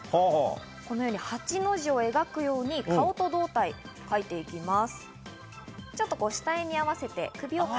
このように８の字を描くように顔と胴体を描いていきます。